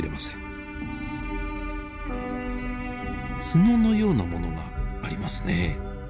角のようなものがありますね。